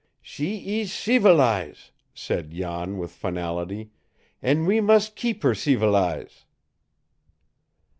"She ees ceevilize," said Jan with finality, "an' we mus' keep her ceevilize!"